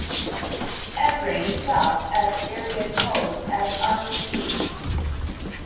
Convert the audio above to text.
Evren served at various posts as Army Chief.